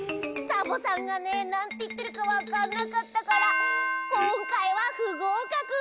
サボさんがねなんていってるかわかんなかったからこんかいはふごうかく！